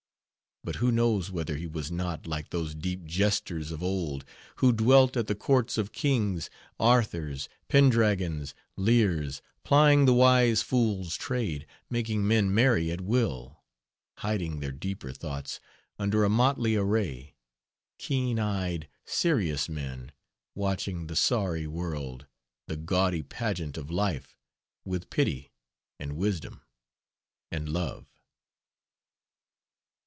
But who knows whether he was not Like those deep jesters of old Who dwelt at the courts of Kings, Arthur's, Pendragon's, Lear's, Plying the wise fool's trade, Making men merry at will, Hiding their deeper thoughts Under a motley array, Keen eyed, serious men, Watching the sorry world, The gaudy pageant of life, With pity and wisdom and love?